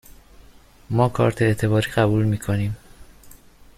ما کارت اعتباری قبول می کنیم.